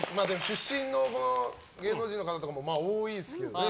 出身の芸能人の方とかも多いですけどね。